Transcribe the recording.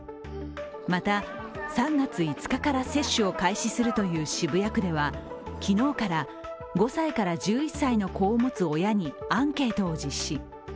また３月５日から接種を開始するという渋谷区では昨日から５歳から１１歳の子を持つ親にアンケートを実施。